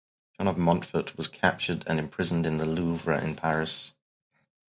John of Montfort was captured and imprisoned in the Louvre in Paris.